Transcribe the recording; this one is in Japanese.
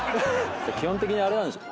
基本的にあれなんでしょ。